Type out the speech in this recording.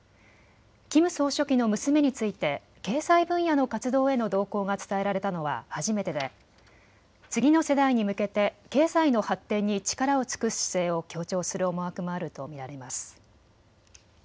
キム総書記の娘について経済分野の活動への同行が伝えられたのは初めてで次の世代に向けて経済の発展に力を尽くす姿勢を強調する思惑もあると見られます。